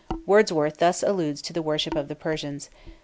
Wordsworth thus alludes to the worship of the Persians